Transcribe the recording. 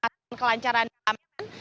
dan kelanjaran aman